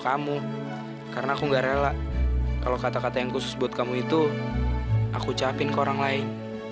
kamu karena aku gak rela kalau kata kata yang khusus buat kamu itu aku ucapin ke orang lain